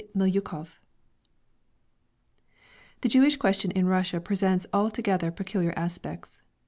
MILYUKOV The Jewish question in Russia presents altogether peculiar aspects.